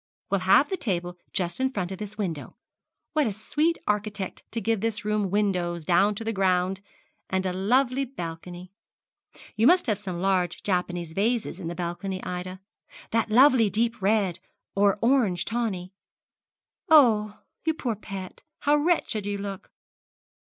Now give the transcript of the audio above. We'll have the table just in front of this window. What a sweet architect to give this room windows down to the ground, and a lovely balcony! You must have some large Japanese vases in the balcony, Ida. That lovely deep red, or orange tawny. Oh, you poor pet, how wretched you look!'